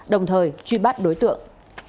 đồng thời truy bắt đối tượng